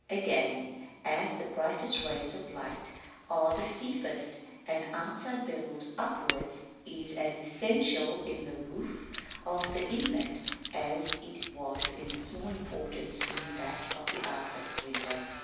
Again, as the brightest rays of light are the steepest, the outside bevel upwards is as essential in the roof of the inlet as it was of small importance in that of the outlook window.